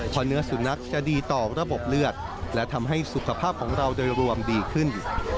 เพราะเนื้อสุนัขจะดีต่อระบบเลือดและทำให้สุขภาพของเราโดยรวมดีขึ้น